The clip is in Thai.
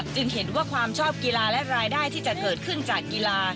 เห็นว่าความชอบกีฬาและรายได้ที่จะเกิดขึ้นจากกีฬา